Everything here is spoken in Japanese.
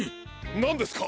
なんですか！？